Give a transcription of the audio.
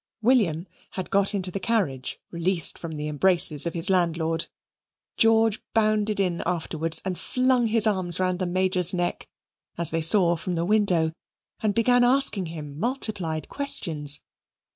William had got into the carriage, released from the embraces of his landlord. George bounded in afterwards, and flung his arms round the Major's neck (as they saw from the window), and began asking him multiplied questions.